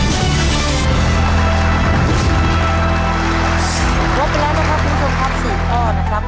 ครบเต็มแล้วนะครับคุณกุงครับ๔ข้อนะครับ